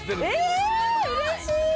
えうれしい！